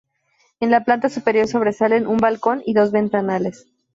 En la planta superior sobresalen un balcón y dos ventanales.